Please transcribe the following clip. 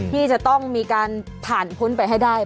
ที่จะต้องมีการผ่านพ้นไปให้ได้